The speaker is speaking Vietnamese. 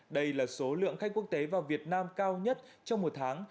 đây là số lượng khách quốc tế vào việt nam cao nhất trong một tháng